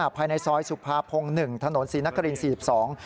ภายในซอยสุภาพงศ์๑ถนน๔นักกริง๔๒